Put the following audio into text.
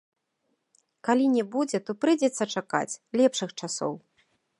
Калі не будзе, то прыйдзецца чакаць лепшых часоў.